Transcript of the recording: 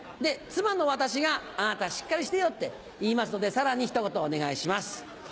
妻の私が「あなたしっかりしてよ」って言いますのでさらにひと言お願いします。